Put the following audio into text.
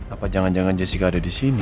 apa jangan jangan jessica ada disini